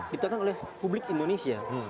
ditetangkan oleh publik indonesia